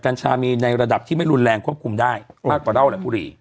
กัญชามีในระดับที่ไม่รุนแรงควบคุมได้ข้าตกระด้าวอะไรกุหลี